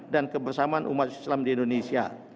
dan kebersamaan umat islam di indonesia